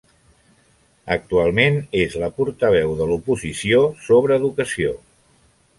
Actualment és la portaveu de l'oposició sobre educació.